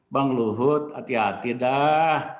bang luhut hati hati dah